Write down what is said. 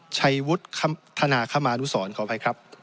ชัยวุฒิธนาคมานุสรขออภัยครับ